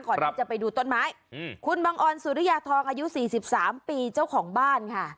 ก่อนที่จะไปดูต้นไม้คุณบังออนสุริยาทองอายุ๔๓ปีเจ้าของบ้านค่ะ